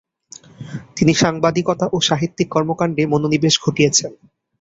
তিনি সাংবাদিকতা ও সাহিত্যিক কর্মকাণ্ডে মনোনিবেশ ঘটিয়েছেন।